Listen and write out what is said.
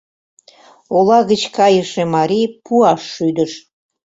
Ола гыч кайыше марий пуаш шӱдыш...